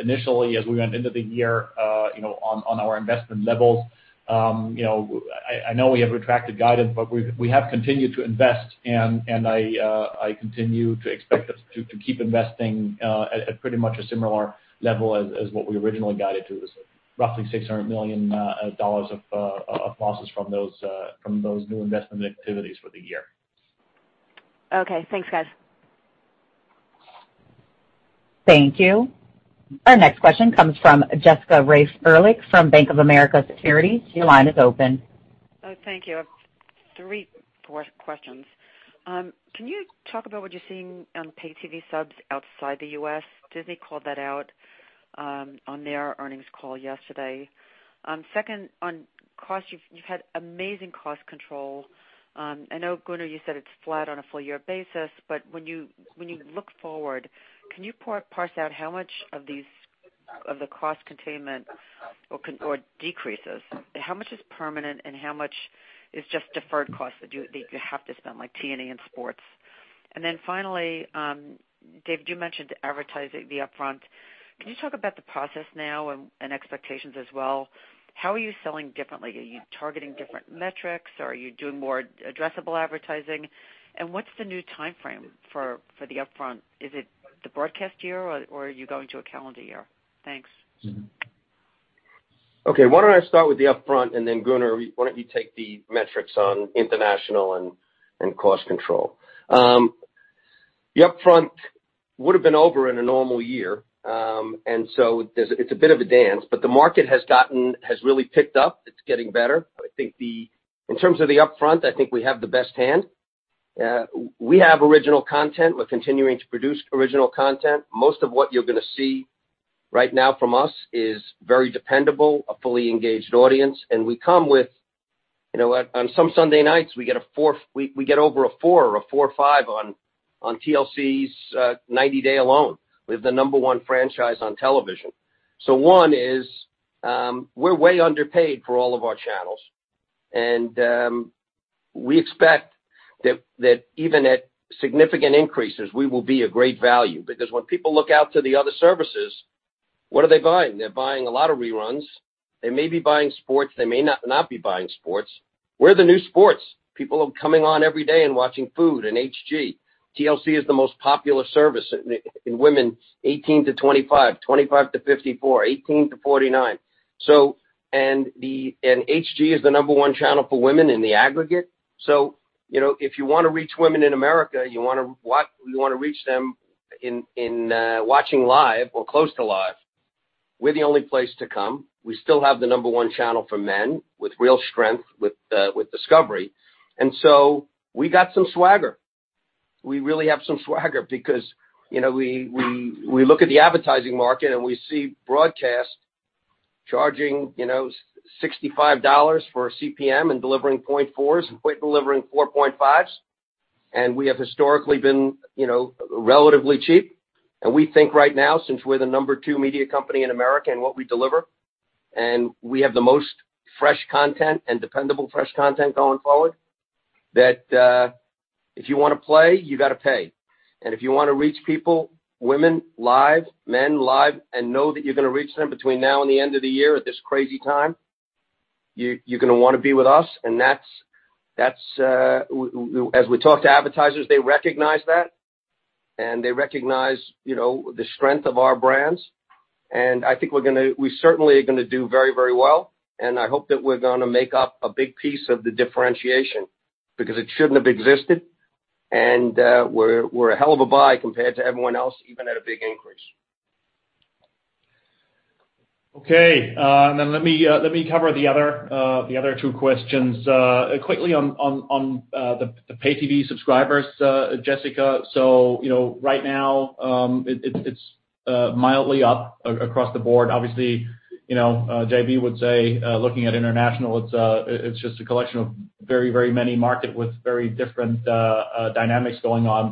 initially as we went into the year on our investment levels. I know we have retracted guidance, but we have continued to invest, and I continue to expect us to keep investing at pretty much a similar level as what we originally guided to. It was roughly $600 million of losses from those new investment activities for the year. Okay. Thanks, guys. Thank you. Our next question comes from Jessica Reif Ehrlich from Bank of America Securities. Your line is open. Thank you. I have three questions. Can you talk about what you're seeing on pay TV subs outside the U.S.? Disney called that out on their earnings call yesterday. Second, on cost, you've had amazing cost control. I know, Gunnar, you said it's flat on a full year basis, but when you look forward, can you parse out how much of the cost containment or decreases, how much is permanent and how much is just deferred costs that you have to spend, like T&E and sports? Finally, Dave, you mentioned advertising the upfront. Can you talk about the process now and expectations as well? How are you selling differently? Are you targeting different metrics? Are you doing more addressable advertising? What's the new timeframe for the upfront? Is it the broadcast year, or are you going to a calendar year? Thanks. Okay. Why don't I start with the upfront, and then Gunnar, why don't you take the metrics on international and cost control? The upfront would've been over in a normal year. It's a bit of a dance, but the market has really picked up. It's getting better. I think in terms of the upfront, I think we have the best hand. We have original content. We're continuing to produce original content. Most of what you're going to see right now from us is very dependable, a fully engaged audience, and on some Sunday nights, we get over a four or a four/five on TLC's "90 Day" alone. We have the number one franchise on television. One is, we're way underpaid for all of our channels. We expect that even at significant increases, we will be a great value, because when people look out to the other services, what are they buying? They're buying a lot of reruns. They may be buying sports. They may not be buying sports. We're the new sports. People are coming on every day and watching Food and HG. TLC is the most popular service in women 18 to 25 to 54, 18 to 49. HG is the number one channel for women in the aggregate. If you want to reach women in America, you want to reach them in watching live or close to live, we're the only place to come. We still have the number one channel for men with real strength with Discovery. We got some swagger. We really have some swagger because we look at the advertising market, we see broadcast charging $65 for a CPM and delivering point fours and delivering 4.5s. We have historically been relatively cheap. We think right now, since we're the number two media company in the U.S. in what we deliver, and we have the most fresh content and dependable fresh content going forward, that if you want to play, you got to pay. If you want to reach people, women live, men live, and know that you're going to reach them between now and the end of the year at this crazy time, you're going to want to be with us. As we talk to advertisers, they recognize that, and they recognize the strength of our brands. I think we certainly are going to do very well, and I hope that we're going to make up a big piece of the differentiation, because it shouldn't have existed, and we're a hell of a buy compared to everyone else, even at a big increase. Okay. Then let me cover the other two questions. Quickly on the pay TV subscribers, Jessica. Right now, it's mildly up across the board. Obviously, JB would say, looking at international, it's just a collection of very many markets with very different dynamics going on.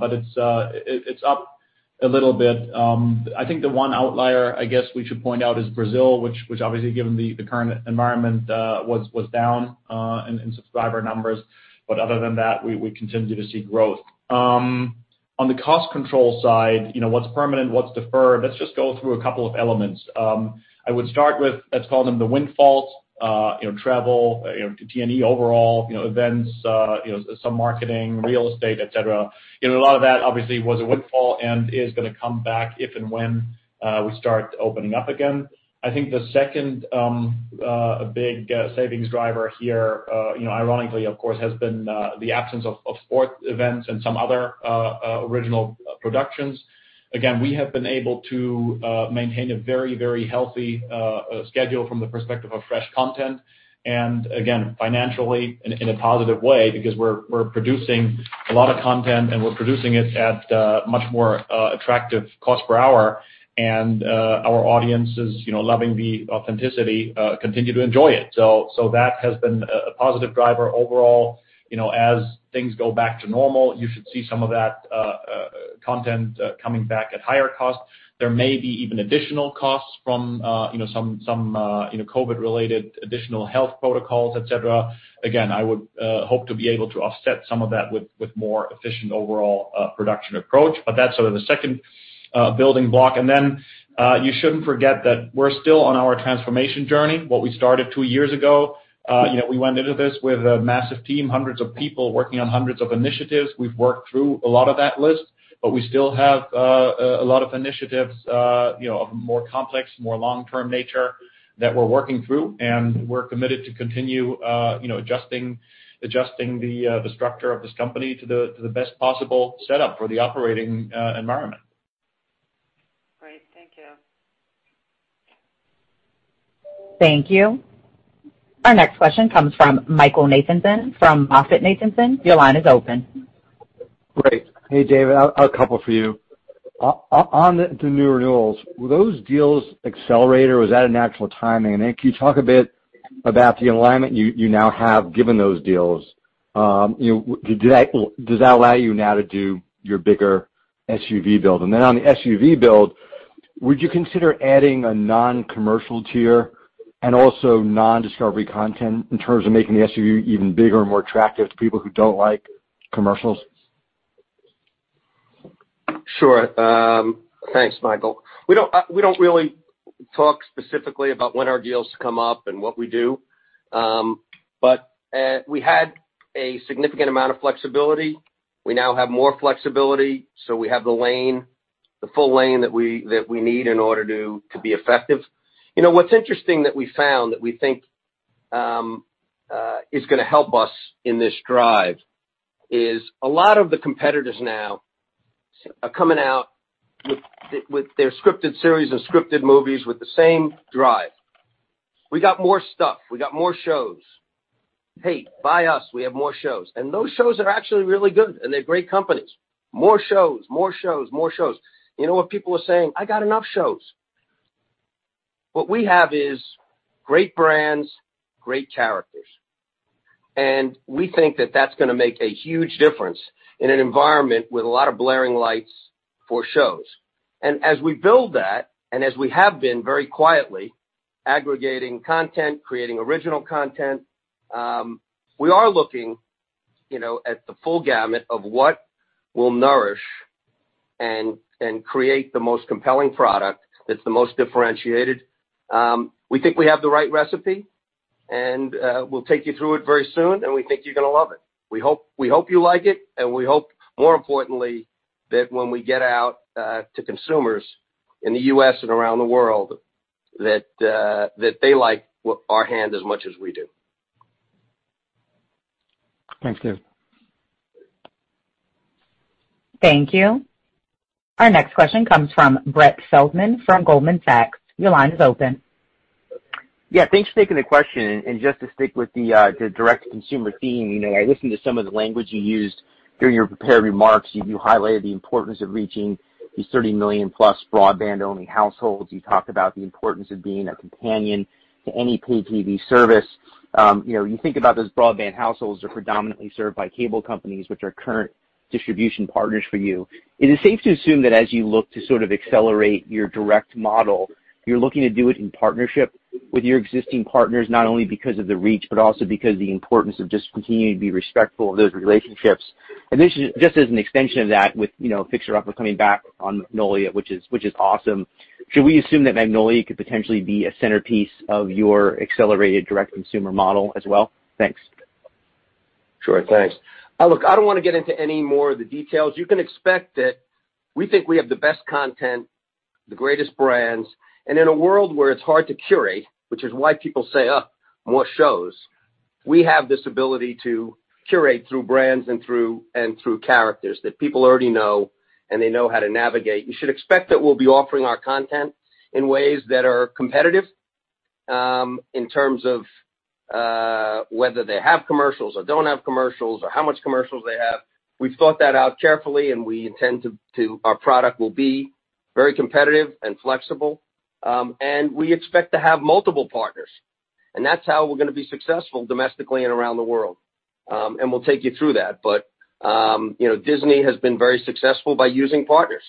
It's up a little bit. I think the one outlier, I guess, we should point out, is Brazil, which obviously, given the current environment, was down in subscriber numbers. Other than that, we continue to see growth. On the cost control side, what's permanent, what's deferred? Let's just go through a couple of elements. I would start with, let's call them the windfalls, travel, T&E overall, events, some marketing, real estate, et cetera. A lot of that obviously was a windfall and is going to come back if and when we start opening up again. I think the second big savings driver here, ironically, of course, has been the absence of sports events and some other original productions. Again, we have been able to maintain a very healthy schedule from the perspective of fresh content, and again, financially in a positive way because we're producing a lot of content and we're producing it at a much more attractive cost per hour. Our audience is loving the authenticity, continue to enjoy it. That has been a positive driver overall. As things go back to normal, you should see some of that content coming back at higher cost. There may be even additional costs from some COVID-related additional health protocols, et cetera. Again, I would hope to be able to offset some of that with more efficient overall production approach, but that's sort of the second building block. You shouldn't forget that we're still on our transformation journey, what we started two years ago. We went into this with a massive team, hundreds of people working on hundreds of initiatives. We've worked through a lot of that list, but we still have a lot of initiatives of a more complex, more long-term nature that we're working through, and we're committed to continue adjusting the structure of this company to the best possible setup for the operating environment. Great. Thank you. Thank you. Our next question comes from Michael Nathanson from MoffettNathanson. Your line is open. Great. Hey, David, a couple for you. On the new renewals, will those deals accelerate, or was that a natural timing? Can you talk a bit about the alignment you now have given those deals? Does that allow you now to do your bigger SVOD build? Then on the SVOD build, would you consider adding a non-commercial tier and also non-Discovery content in terms of making the SVOD even bigger and more attractive to people who don't like commercials? Sure. Thanks, Michael. We don't really talk specifically about when our deals come up and what we do. We had a significant amount of flexibility. We now have more flexibility, so we have the full lane that we need in order to be effective. What's interesting that we found that we think is going to help us in this drive is a lot of the competitors now are coming out with their scripted series or scripted movies with the same drive. We got more stuff. We got more shows. Hey, buy us, we have more shows. Those shows are actually really good, and they're great companies. More shows. You know what people are saying? I got enough shows. What we have is great brands, great characters. We think that that's going to make a huge difference in an environment with a lot of blaring lights for shows. As we build that, and as we have been very quietly aggregating content, creating original content, we are looking at the full gamut of what will nourish and create the most compelling product that's the most differentiated. We think we have the right recipe, and we'll take you through it very soon, and we think you're going to love it. We hope you like it, and we hope, more importantly, that when we get out to consumers in the U.S. and around the world, that they like our hand as much as we do. Thanks, Dave. Thank you. Our next question comes from Brett Feldman from Goldman Sachs. Your line is open. Yeah. Thanks for taking the question. Just to stick with the direct consumer theme, I listened to some of the language you used during your prepared remarks. You highlighted the importance of reaching these 30 million-plus broadband-only households. You talked about the importance of being a companion to any pay TV service. You think about those broadband households are predominantly served by cable companies, which are current distribution partners for you. Is it safe to assume that as you look to sort of accelerate your direct model, you're looking to do it in partnership with your existing partners, not only because of the reach, but also because of the importance of just continuing to be respectful of those relationships? This is just as an extension of that with Fixer Upper coming back on Magnolia, which is awesome. Should we assume that Magnolia could potentially be a centerpiece of your accelerated direct consumer model as well? Thanks. Sure. Thanks. Look, I don't want to get into any more of the details. You can expect that we think we have the best content, the greatest brands. In a world where it's hard to curate, which is why people say, "Ugh, more shows," we have this ability to curate through brands and through characters that people already know, and they know how to navigate. You should expect that we'll be offering our content in ways that are competitive in terms of whether they have commercials or don't have commercials, or how much commercials they have. We've thought that out carefully, and we intend our product will be very competitive and flexible. We expect to have multiple partners. That's how we're going to be successful domestically and around the world. We'll take you through that. Disney has been very successful by using partners.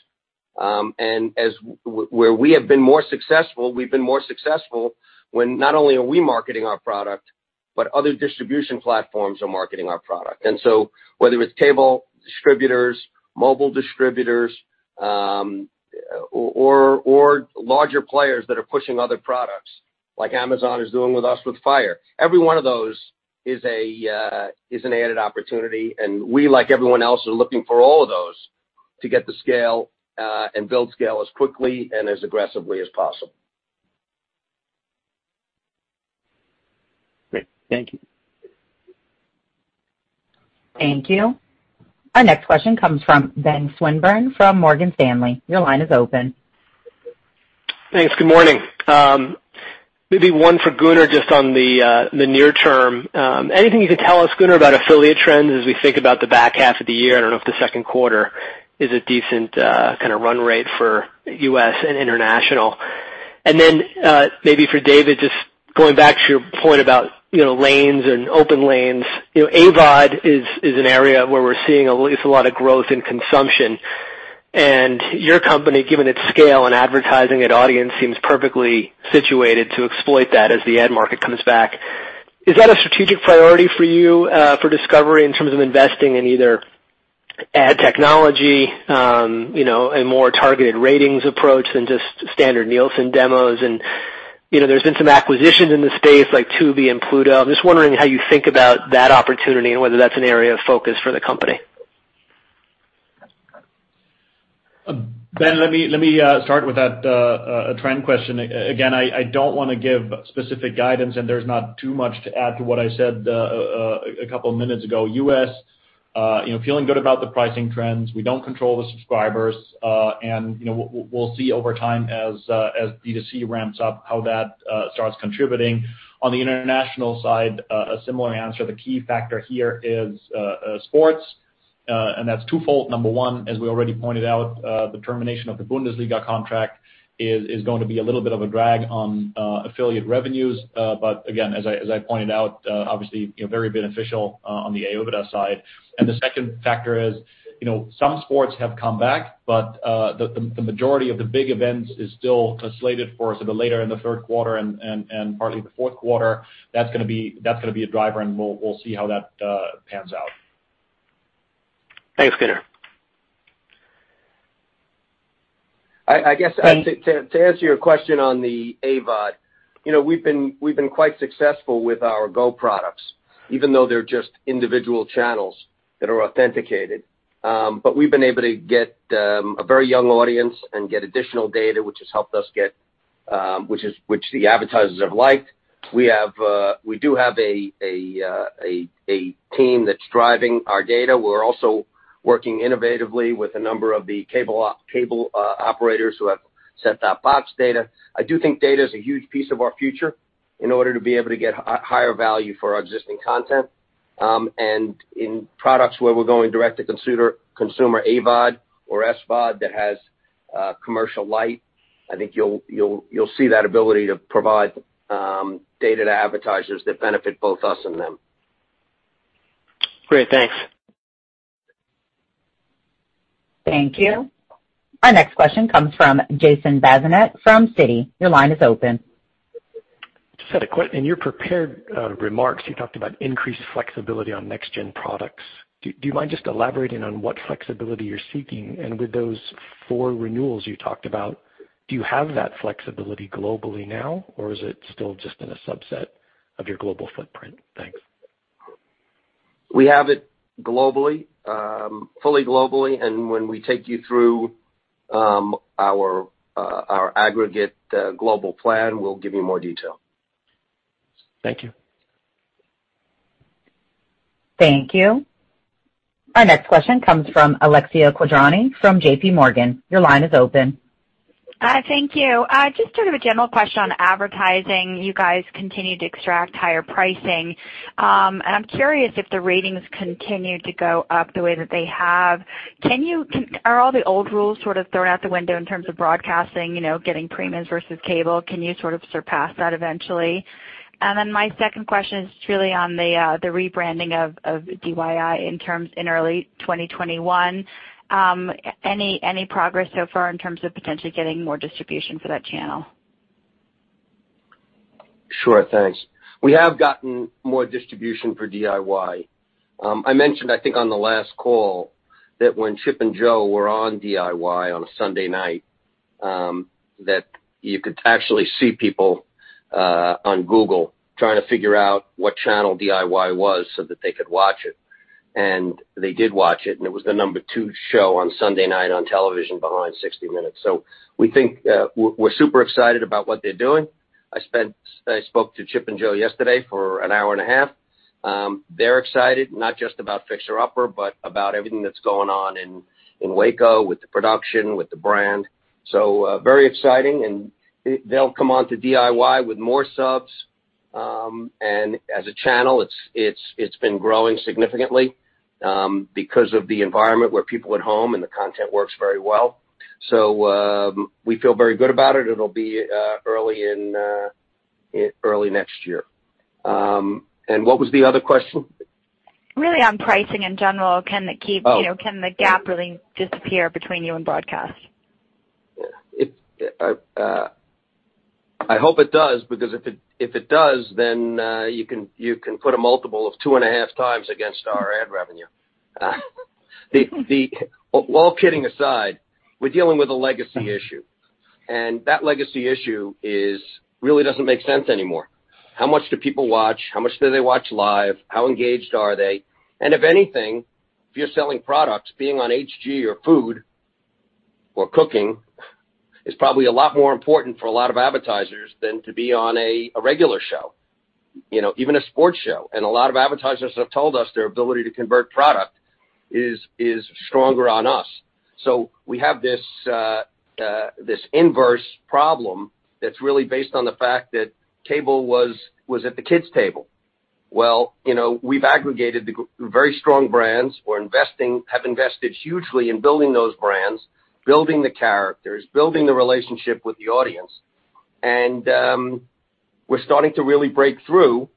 Where we have been more successful, we've been more successful when not only are we marketing our product, but other distribution platforms are marketing our product. Whether it's cable distributors, mobile distributors, or larger players that are pushing other products, like Amazon is doing with us with Fire. Every one of those is an added opportunity, and we, like everyone else, are looking for all of those to get the scale and build scale as quickly and as aggressively as possible. Great. Thank you. Thank you. Our next question comes from Ben Swinburne from Morgan Stanley. Your line is open. Thanks. Good morning. Maybe one for Gunnar, just on the near term. Anything you could tell us, Gunnar, about affiliate trends as we think about the back half of the year? I don't know if the second quarter is a decent kind of run rate for U.S. and international. Then maybe for David, just going back to your point about lanes and open lanes. AVOD is an area where we're seeing at least a lot of growth in consumption. Your company, given its scale and advertising and audience, seems perfectly situated to exploit that as the ad market comes back. Is that a strategic priority for you for Discovery in terms of investing in either ad technology, and more targeted ratings approach than just standard Nielsen demos? There's been some acquisitions in the space like Tubi and Pluto. I'm just wondering how you think about that opportunity and whether that's an area of focus for the company. Ben, let me start with that trend question. Again, I don't want to give specific guidance, there's not too much to add to what I said a couple of minutes ago. U.S., feeling good about the pricing trends. We don't control the subscribers. We'll see over time as D2C ramps up how that starts contributing. On the international side, a similar answer. The key factor here is sports and that's twofold. Number one, as we already pointed out, the termination of the Bundesliga contract is going to be a little bit of a drag on affiliate revenues. Again, as I pointed out obviously, very beneficial on the AVOD side. The second factor is some sports have come back, but the majority of the big events is still slated for sort of later in the third quarter and partly the fourth quarter. That's going to be a driver, and we'll see how that pans out. Thanks, Gunnar. I guess to answer your question on the AVOD. We've been quite successful with our Go products, even though they're just individual channels that are authenticated. We've been able to get a very young audience and get additional data, which the advertisers have liked. We do have a team that's driving our data. We're also working innovatively with a number of the cable operators who have set-top box data. I do think data is a huge piece of our future in order to be able to get higher value for our existing content. In products where we're going direct-to-consumer AVOD or SVOD that has commercial-lite, I think you'll see that ability to provide data to advertisers that benefit both us and them. Great. Thanks. Thank you. Our next question comes from Jason Bazinet from Citi. Your line is open. In your prepared remarks, you talked about increased flexibility on next-gen products. Do you mind just elaborating on what flexibility you're seeking? With those four renewals you talked about, do you have that flexibility globally now, or is it still just in a subset of your global footprint? Thanks. We have it globally, fully globally, and when we take you through our aggregate global plan, we'll give you more detail. Thank you. Thank you. Our next question comes from Alexia Quadrani from JPMorgan. Your line is open. Hi, thank you. Just sort of a general question on advertising. You guys continue to extract higher pricing. I'm curious if the ratings continue to go up the way that they have. Are all the old rules sort of thrown out the window in terms of broadcasting, getting premiums versus cable? Can you sort of surpass that eventually? My second question is really on the rebranding of DIY in early 2021. Any progress so far in terms of potentially getting more distribution for that channel? Sure. Thanks. We have gotten more distribution for DIY. I mentioned, I think, on the last call that when Chip and Jo were on DIY on a Sunday night, that you could actually see people on Google trying to figure out what channel DIY was so that they could watch it. They did watch it, and it was the number two show on Sunday night on television behind "60 Minutes." We're super excited about what they're doing. I spoke to Chip and Jo yesterday for an hour and a half. They're excited, not just about "Fixer Upper," but about everything that's going on in Waco with the production, with the brand. Very exciting, and they'll come onto DIY with more subs. As a channel, it's been growing significantly because of the environment where people at home and the content works very well. We feel very good about it. It'll be early next year. What was the other question? Really on pricing in general. Can the gap really disappear between you and broadcast? I hope it does, because if it does, then you can put a multiple of 2.5x against our ad revenue. All kidding aside, we're dealing with a legacy issue. That legacy issue really doesn't make sense anymore. How much do people watch? How much do they watch live? How engaged are they? If anything, if you're selling products, being on HGTV or Food or Cooking is probably a lot more important for a lot of advertisers than to be on a regular show, even a sports show. A lot of advertisers have told us their ability to convert product is stronger on us. We have this inverse problem that's really based on the fact that cable was at the kids' table. Well, we've aggregated very strong brands. We have invested hugely in building those brands, building the characters, building the relationship with the audience. We're starting to really break through,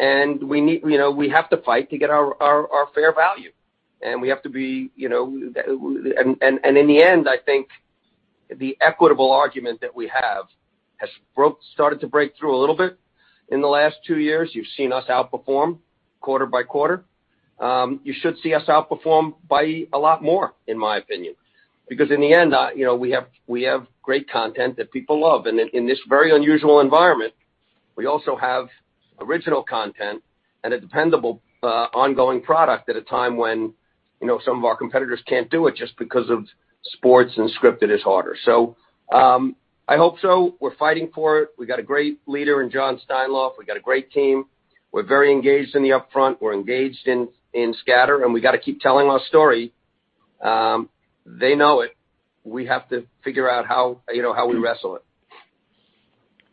and we have to fight to get our fair value. In the end, I think the equitable argument that we have has started to break through a little bit in the last two years. You've seen us outperform quarter by quarter. You should see us outperform by a lot more, in my opinion, because in the end, we have great content that people love. In this very unusual environment, we also have original content and a dependable, ongoing product at a time when some of our competitors can't do it just because of sports and scripted is harder. I hope so. We're fighting for it. We got a great leader in Jon Steinlauf. We got a great team. We're very engaged in the upfront, we're engaged in scatter, we got to keep telling our story. They know it. We have to figure out how we wrestle it.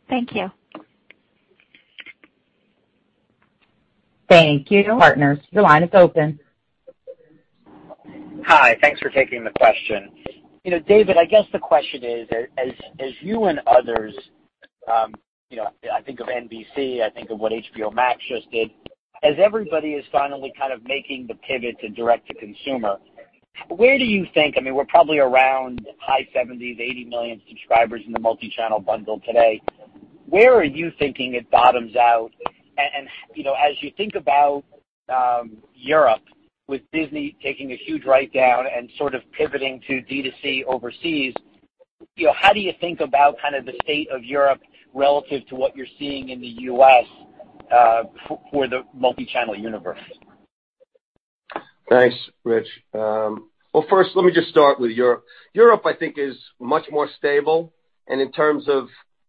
Thank you. Thank you. Rich, LightShed Partners, your line is open. Hi. Thanks for taking the question. David, I guess the question is, as you and others, I think of NBC, I think of what HBO Max just did. Everybody is finally kind of making the pivot to direct-to-consumer. I mean, we're probably around high 70s, 80 million subscribers in the multichannel bundle today. Where are you thinking it bottoms out? As you think about Europe, with Disney taking a huge write-down and sort of pivoting to D2C overseas, how do you think about kind of the state of Europe relative to what you're seeing in the U.S. for the multi-channel universe? Thanks, Rich. Well, first, let me just start with Europe. Europe, I think, is much more stable. In terms of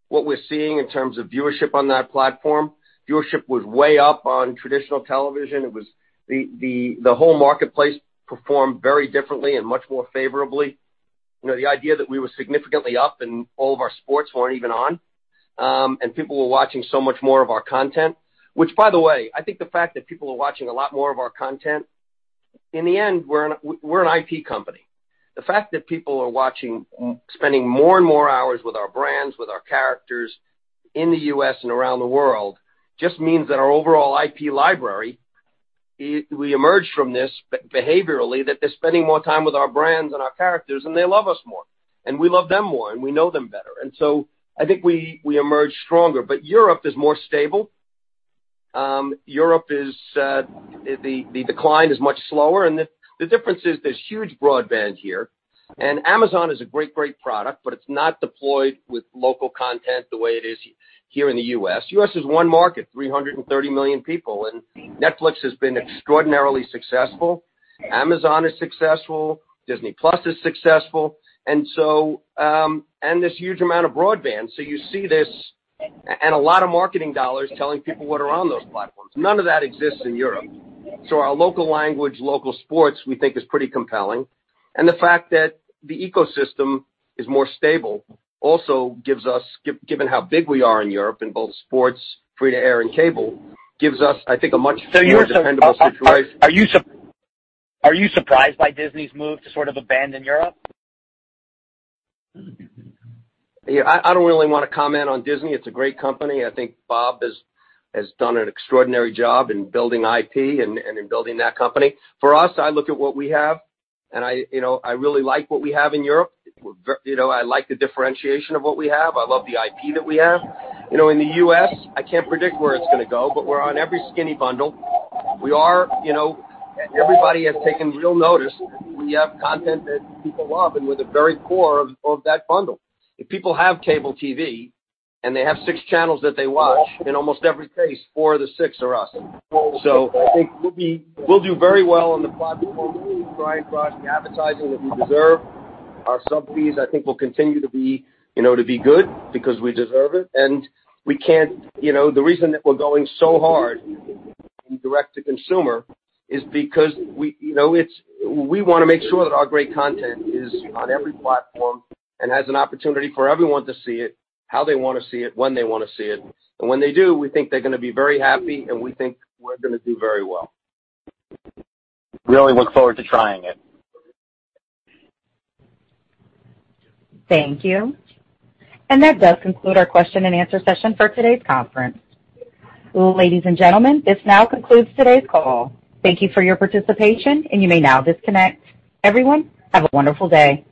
what we're seeing in terms of viewership on that platform, viewership was way up on traditional television. The whole marketplace performed very differently and much more favorably. The idea that we were significantly up and all of our sports weren't even on, and people were watching so much more of our content, which by the way, I think the fact that people are watching a lot more of our content, in the end, we're an IP company. The fact that people are spending more and more hours with our brands, with our characters in the U.S. and around the world, just means that our overall IP library, we emerge from this behaviorally, that they're spending more time with our brands and our characters, and they love us more, and we love them more, and we know them better. I think we emerge stronger. Europe is more stable. Europe, the decline is much slower, and the difference is there's huge broadband here. Amazon is a great product, but it's not deployed with local content the way it is here in the U.S. U.S. is one market, 330 million people, and Netflix has been extraordinarily successful. Amazon is successful, Disney+ is successful, and this huge amount of broadband. You see this and a lot of marketing dollars telling people what are on those platforms. None of that exists in Europe. Our local language, local sports, we think is pretty compelling. The fact that the ecosystem is more stable also gives us, given how big we are in Europe in both sports, free-to-air, and cable, gives us, I think, a much more dependable situation. Are you surprised by Disney's move to sort of abandon Europe? I don't really want to comment on Disney. It's a great company. I think Bob has done an extraordinary job in building IP and in building that company. For us, I look at what we have, and I really like what we have in Europe. I like the differentiation of what we have. I love the IP that we have. In the U.S., I can't predict where it's going to go, but we're on every skinny bundle. Everybody has taken real notice. We have content that people love, and we're the very core of that bundle. If people have cable TV and they have six channels that they watch, in almost every case, four of the six are us. I think we'll do very well on the platform. We'll drive across the advertising that we deserve. Our sub fees, I think, will continue to be good because we deserve it. The reason that we're going so hard in direct to consumer is because we want to make sure that our great content is on every platform and has an opportunity for everyone to see it, how they want to see it, when they want to see it. When they do, we think they're going to be very happy, and we think we're going to do very well. Really look forward to trying it. Thank you. That does conclude our question and answer session for today's conference. Ladies and gentlemen, this now concludes today's call. Thank you for your participation, and you may now disconnect. Everyone, have a wonderful day.